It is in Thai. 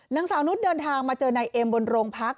นางสาวนุษย์เดินทางมาเจอนายเอ็มบนโรงพัก